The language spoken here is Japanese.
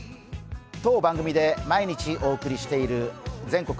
当番組で毎日お送りしている「全国！